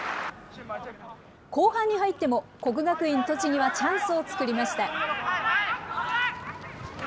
後半に入っても、国学院栃木はチャンスを作りました。